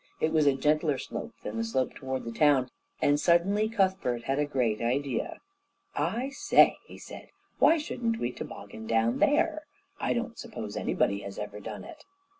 It was a gentler slope than the slope toward the town, and suddenly Cuthbert had a great idea. "I say," he said, "why shouldn't we toboggan down there? I don't suppose anybody has ever done it."